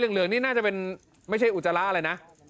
เหลืองนี่น่าจะเป็นไม่ใช่อุจจาระอะไรนะ